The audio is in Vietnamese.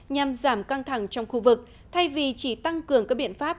nhằm giảm căng thẳng trong khu vực thay vì chỉ tăng cường các biện pháp